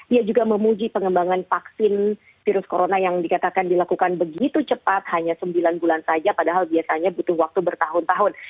ia juga memuji pengembangan vaksin virus corona yang dikatakan dilakukan begitu cepat hanya sembilan bulan saja padahal biasanya butuh waktu bertahun tahun